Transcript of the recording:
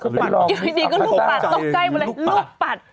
อย่างนี้ก็ลูกปัด